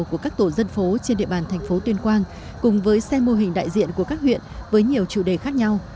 của các tổ dân phố trên địa bàn thành phố tuyên quang cùng với xe mô hình đại diện của các huyện với nhiều chủ đề khác nhau